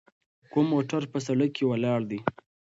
کوم موټر په سړک کې ولاړ دی؟